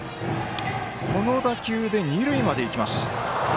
この打球で、二塁まで行きます。